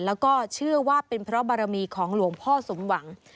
แล้วก็เชื่อว่าเป็นเพราะบารมีของหลวงพ่อสมหวัง